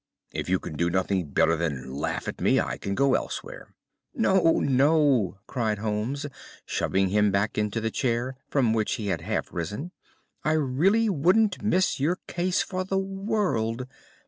"If you can do nothing better than laugh at me, I can go elsewhere." "No, no," cried Holmes, shoving him back into the chair from which he had half risen. "I really wouldn't miss your case for the world.